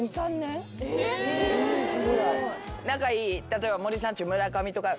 仲いい例えば。